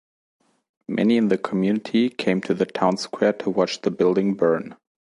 Many in the community came to the town square to watch the building burn.